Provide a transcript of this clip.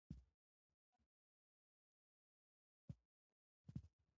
سرحدونه د افغانستان د ملي هویت نښه ده.